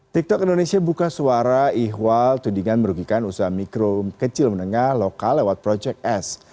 tiktok indonesia buka suara ihwal tudingan merugikan usaha mikro kecil menengah lokal lewat projek s